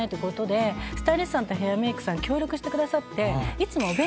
ことでスタイリストさんとヘアメークさん協力してくださっていつも。